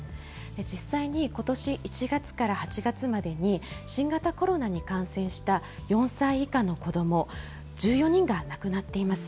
実際にことし１月から８月までに、新型コロナに感染した４歳以下の子ども１４人が亡くなっています。